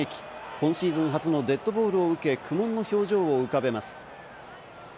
今シーズン初のデッドボールを受け、苦悶の表情を浮かべます。